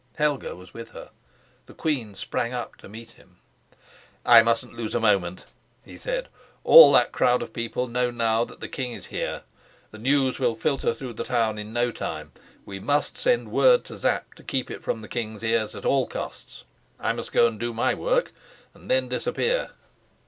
Helga was with her. The queen sprang up to meet him. "I mustn't lose a moment," he said. "All that crowd of people know now that the king is here. The news will filter through the town in no time. We must send word to Sapt to keep it from the king's ears at all costs: I must go and do my work, and then disappear."